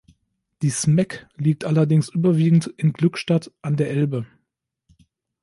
Die Smack liegt allerdings überwiegend in Glückstadt an der Elbe.